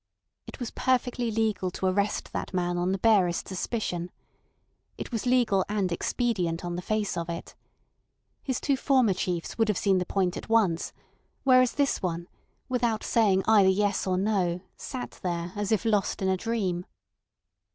It was perfectly legal to arrest that man on the barest suspicion. It was legal and expedient on the face of it. His two former chiefs would have seen the point at once; whereas this one, without saying either yes or no, sat there, as if lost in a dream.